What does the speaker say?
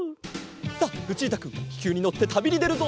さあルチータくんききゅうにのってたびにでるぞ！